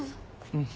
うん。